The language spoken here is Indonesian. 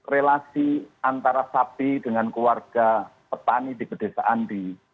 relasi antara sapi dengan keluarga petani di pedesaan di